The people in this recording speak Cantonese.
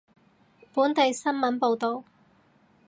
本地新聞報道